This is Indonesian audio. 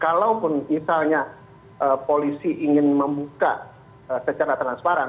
kalaupun misalnya polisi ingin membuka secara transparan